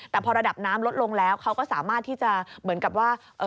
แต่พอระดับน้ำลดลงแล้วเขาก็สามารถที่จะเหมือนกับว่า